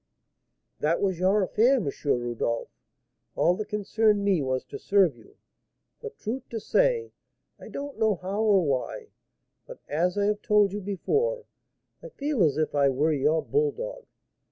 "That was your affair, M. Rodolph; all that concerned me was to serve you; for, truth to say, I don't know how or why, but, as I have told you before, I feel as if I were your bulldog.